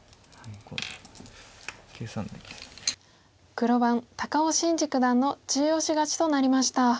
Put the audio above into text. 黒番高尾紳路九段の中押し勝ちとなりました。